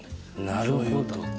なるほど。